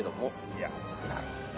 いやなるほどね。